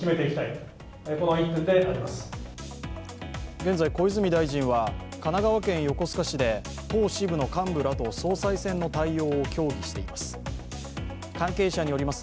現在小泉大臣は、神奈川県横須賀市で党支部の幹部らと総裁選の対応を協議しています。